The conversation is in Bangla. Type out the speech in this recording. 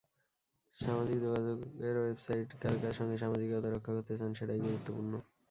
সামাজিক যোগাযোগের ওয়েবসাইটে কার কার সঙ্গে সামাজিকতা রক্ষা করতে চান, সেটাই গুরুত্বপূর্ণ।